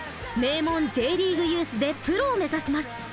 名門Ｊリーグユースでプロを目指します。